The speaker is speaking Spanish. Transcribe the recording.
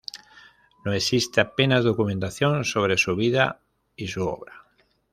No existe apenas documentación sobre su vida y su obra.